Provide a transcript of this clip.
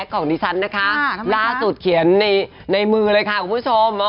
ของนะคะล่าสุดเขียนในในมือเลยค่ะคุณผู้ชมอ๋อ